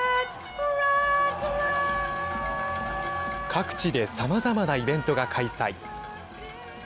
各地でさまざまなイベントが開催。